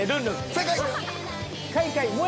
正解。